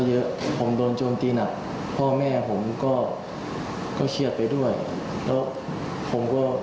เยอะผมโดนโจมตีหนักพ่อแม่ผมก็ก็เครียดไปด้วยแล้วผมก็